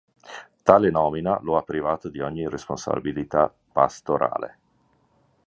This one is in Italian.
Tale nomina lo ha privato di ogni responsabilità pastorale.